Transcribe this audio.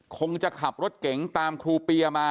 คงจะขับรถเก๋งตามครูเปียมา